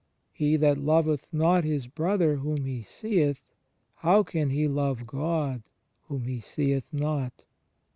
"He that loveth not his brother whom he seeth, how can he love God, whom he seeth not?"